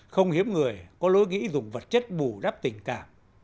không hiếm người có lỗi nghĩ dùng vật chất bù đắp tình cảm